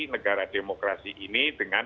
negara demokrasi ini dengan